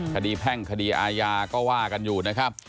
แพ่งคดีอาญาก็ว่ากันอยู่นะครับ